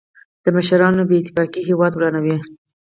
د مشرانو بې اتفاقي هېواد ورانوي.